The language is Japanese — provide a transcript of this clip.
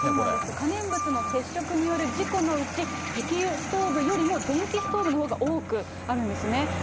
可燃物の接触による事故のうち、石油ストーブよりも電気ストーブのほうが多くあるんですね。